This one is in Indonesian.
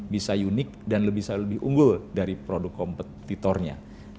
bisa unik dan bisa lebih unggul dari produk kompetitornya